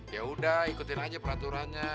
ya udah ikutin aja peraturannya